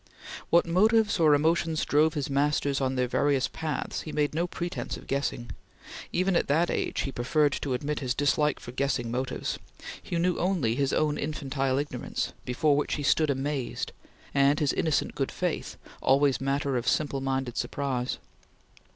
What motives or emotions drove his masters on their various paths he made no pretence of guessing; even at that age he preferred to admit his dislike for guessing motives; he knew only his own infantile ignorance, before which he stood amazed, and his innocent good faith, always matter of simple minded surprise.